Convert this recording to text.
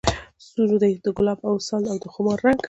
سور دی د ګلاب او د وصال او د خمار رنګ